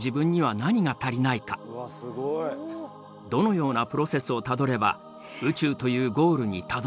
どのようなプロセスをたどれば宇宙というゴールにたどりつけるか。